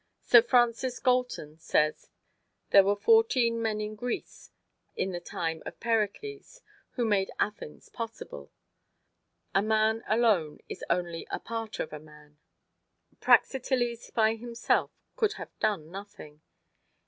Sir Francis Galton says there were fourteen men in Greece in the time of Pericles who made Athens possible. A man alone is only a part of a man. Praxiteles by himself could have done nothing.